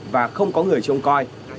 và không có người trông coi